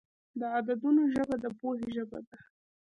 د عددونو ژبه د پوهې ژبه ده.